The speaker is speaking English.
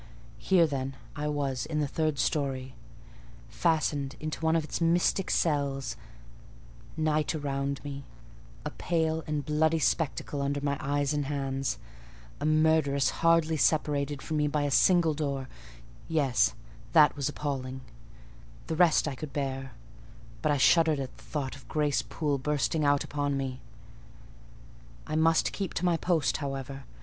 Here then I was in the third storey, fastened into one of its mystic cells; night around me; a pale and bloody spectacle under my eyes and hands; a murderess hardly separated from me by a single door: yes—that was appalling—the rest I could bear; but I shuddered at the thought of Grace Poole bursting out upon me. I must keep to my post, however.